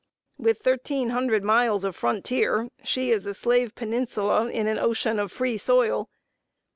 With thirteen hundred miles of frontier, she is "a slave peninsula in an ocean of free soil."